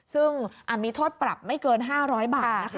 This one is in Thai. ซึ่งมีโทษปรับไม่เกิน๕๐๐บาทนะคะ